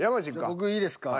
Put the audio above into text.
僕いいですか？